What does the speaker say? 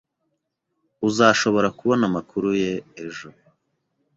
Uzashobora kubona amakuru ye ejo